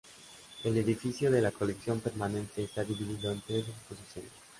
El edificio de la colección permanente está dividido en tres exposiciones.